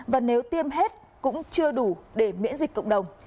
và nếu tiêm hết cũng chưa đủ để miễn dịch cộng đồng